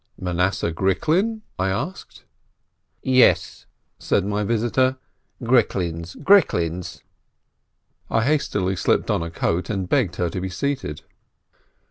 "Manasseh Gricklin's ?" I asked. "Yes," said my visitor, "Gricklin's, Gricklin's/* I hastily slipped on a coat, and begged her to be seated.